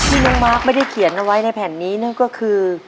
น้องมาร์คไม่ได้เขียนเอาไว้ในแผ่นนี้นั่นก็คือ